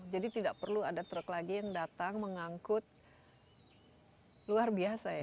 jadi tidak perlu ada truk lagi yang datang mengangkut luar biasa ya